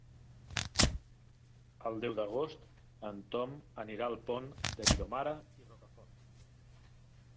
El deu d'agost en Tom anirà al Pont de Vilomara i Rocafort.